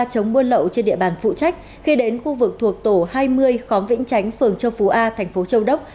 chống buôn lậu trên địa bàn phụ trách khi đến khu vực thuộc tổ hai mươi khóm vĩnh chánh phường châu phú a thành phố châu đốc